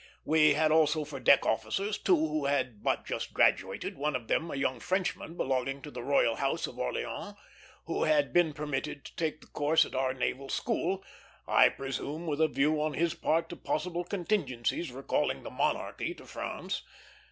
We had also for deck officers two who had but just graduated; one of them a young Frenchman belonging to the royal house of Orléans, who had been permitted to take the course at our naval school, I presume with a view on his part to possible contingencies recalling the monarchy to France.